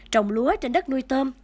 trồng lúa trên đất nuôi tôm